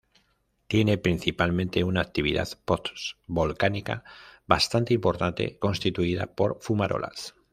Tiene principalmente una actividad post-volcánica bastante importante constituida por fumarolas.